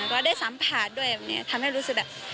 ก็ได้สัมผัสด้วยแบบนี้ทำให้รู้สึกแบบ